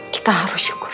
kita harus syukur